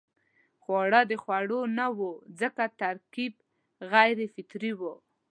خواړه د خوړو نه وو ځکه ترکیب غیر فطري وو.